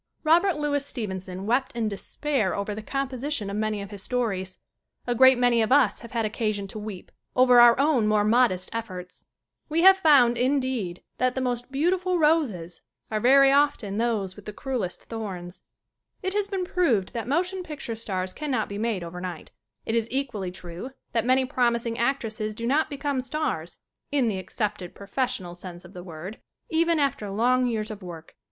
Robert Louis Stevenson wept in despair over the composition of many of his stories. A great many of us have had occasion to weep over our own more modest efforts. We have found, indeed, that the most beautiful roses Lillian Gish and the late Robert Harron in a love scene from "The Greatest Question." SCREEN ACTING 29 are very often those with the crudest thorns. It has been proved that motion picture stars cannot be made over night. It is equally true that many promising actresses do not become stars in the accepted professional sense of the word even after long years of work.